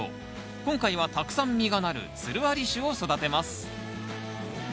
今回はたくさん実がなるつるあり種を育てます。